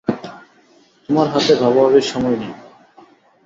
তোমার হাতে ভাবাভাবির সময় নেই।